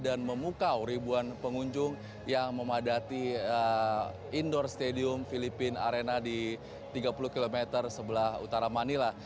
dan memukau ribuan pengunjung yang memadati indoor stadium filipina arena di tiga puluh km sebelah utara manila